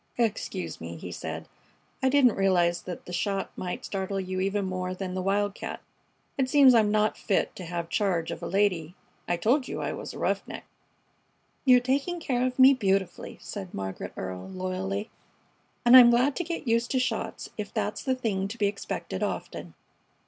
"Excuse me," he said. "I didn't realize the shot might startle you even more than the wildcat. It seems I'm not fit to have charge of a lady. I told you I was a roughneck." "You're taking care of me beautifully," said Margaret Earle, loyally, "and I'm glad to get used to shots if that's the thing to be expected often."